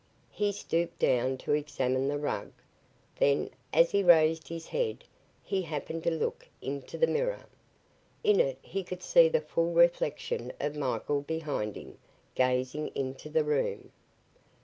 He stooped down to examine the rug. Then, as he raised his head, he happened to look into the mirror. In it he could see the full reflection of Michael behind him, gazing into the room.